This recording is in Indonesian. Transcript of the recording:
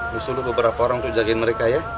mesti lo beberapa orang untuk jagain mereka ya